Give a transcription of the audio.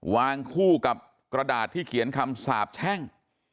วางคู่กับกระดาษที่เขียนคำสาบแช่ง